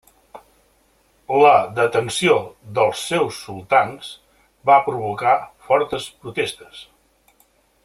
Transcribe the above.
La detenció dels seus sultans va provocar fortes protestes.